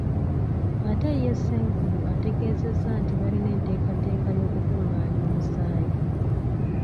Ate ye Ssenkulu ategeezezza nti balina enteekateeka y’okukungaanya omusaayi.